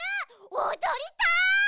おどりたい。